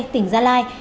tỉnh gia lai